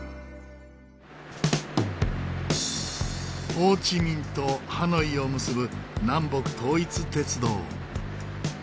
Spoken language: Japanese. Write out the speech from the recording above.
ホーチミンとハノイを結ぶ南北統一鉄道。